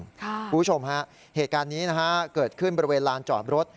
คุณผู้ชมฮะเหตุการณ์นี้นะฮะเกิดขึ้นบริเวณลานจอดรถ